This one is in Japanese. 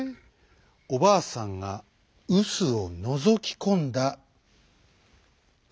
おばあさんがうすをのぞきこんだそのときです。